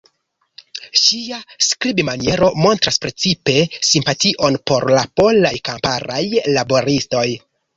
Ŝia skribmaniero montras precipe simpation por la polaj kamparaj laboristoj.